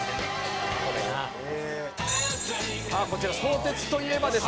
「さあこちら相鉄といえばですね